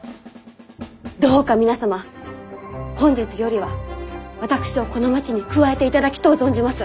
どうか皆様本日よりは私をこの町に加えていただきとう存じます。